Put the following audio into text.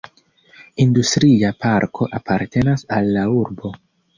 Industria parko apartenas al la urbo.